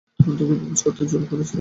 তোকে প্রপোজ করতে জোর করেছিলাম তাকে।